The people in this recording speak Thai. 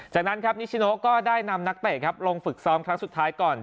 จากนั้นครับนิชิโนก็ได้นำนักเตะครับลงฝึกซ้อมครั้งสุดท้ายก่อน